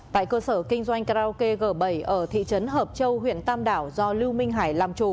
tại cơ sở kinh doanh karaoke g bảy ở thị trấn hợp châu huyện tam đảo do lưu minh hà